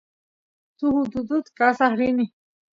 suk ututut kasay rini